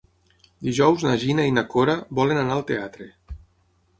Dijous na Gina i na Cora volen anar al teatre.